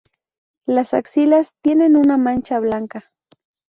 Las axilas tienen una mancha blanca.